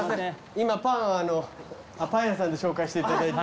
今パンあのうパン屋さんで紹介していただいて。